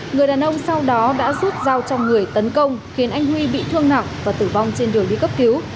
người đàn ông sau đó đã rút dao trong người tấn công khiến anh huy bị thương nặng và tử vong trên đường đi cấp cứu